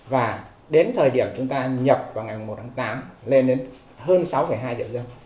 và đến thời điểm chúng ta nhập vào ngày một tháng tám lên đến hơn sáu hai triệu dân